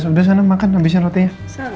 udah sana makan habisin rotinya